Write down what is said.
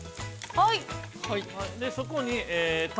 はい。